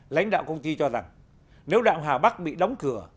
lãnh đạo công ty cho rằng nếu đạm hà bắc bị đóng cửa